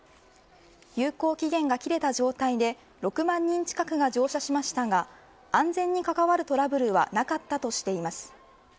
有効期限が切れた状態で６万人近くが乗車しましたが安全に関わるトラブルはなかったとしています。